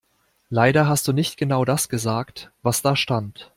Leider hast du nicht genau das gesagt, was da stand.